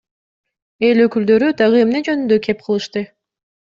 Эл өкүлдөрү дагы эмне жөнүндө кеп кылышты?